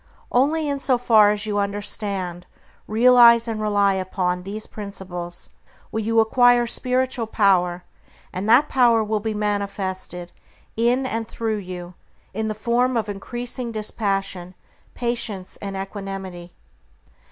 Only in so far as you understand, realize, and rely upon, these principles, will you acquire spiritual power, and that power will be manifested in and through you in the form of increasing dispassion, patience and equanimity.